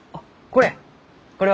これ？